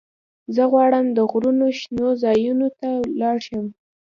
زه غواړم د غرونو شنو ځايونو ته ولاړ شم.